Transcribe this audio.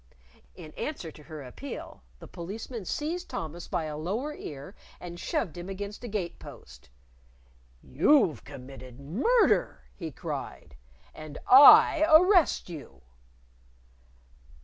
_" In answer to her appeal, the Policeman seized Thomas by a lower ear and shoved him against a gate post. "You've committed murder!" he cried. "And I arrest you!"